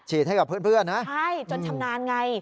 ฉีดให้กับเพื่อนนะฮะใช่จนทำงานไง